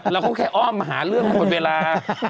เราก็แค่อ้อมมาหาเรื่องกันหมดเวลา